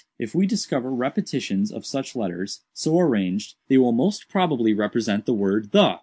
If we discover repetitions of such letters, so arranged, they will most probably represent the word 'the.